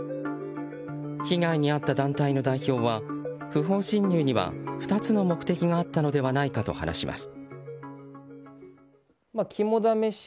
被害に遭った団体の代表は不法侵入には２つの目的があったのではないかと話します。